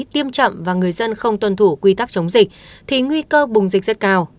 tiêm chậm và người dân không tuân thủ quy tắc chống dịch thì nguy cơ bùng dịch rất cao